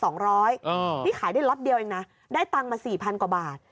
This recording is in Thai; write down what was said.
นี่ขายได้ล็อตเดียวเองนะได้ตังค์มา๔๐๐กว่าบาท